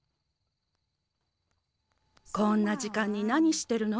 こんな時間に何してるの？